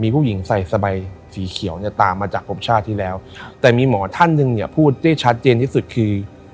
ผู้หญิงใส่สบายสีเขียวเนี่ยตามมาจากผมชาติที่แล้วแต่มีหมอท่านหนึ่งเนี่ยพูดได้ชัดเจนที่สุดคือ